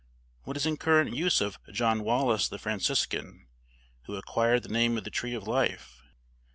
What is in current use of John Wallis the Franciscan, who acquired the name of the tree of life?